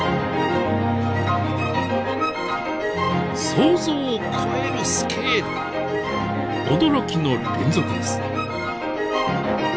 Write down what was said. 想像を超えるスケール驚きの連続です。